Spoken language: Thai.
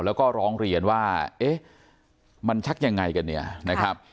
แล้วก็ร้องเรียนว่าเอ๊ะมันชักยังไงกันเนี่ยนะครับ